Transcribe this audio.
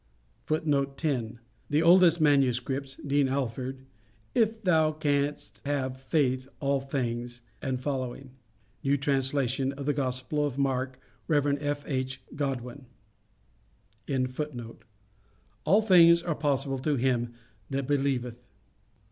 [Footnote 10: The oldest manuscripts. (Dean Alford). "If thou canst have faith All things," &c. ("New Translation of the Gospel of St Mark." Rev. F.H. Godwin).] All things are possible to him that believeth."